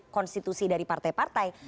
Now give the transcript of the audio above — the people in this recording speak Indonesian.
konstitusi dari partai partai